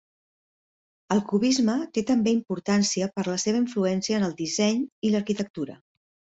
El cubisme té també importància per la seva influència en el disseny i l'arquitectura.